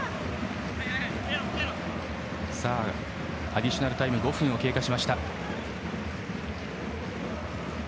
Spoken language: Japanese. アディショナルタイム５分を経過しました。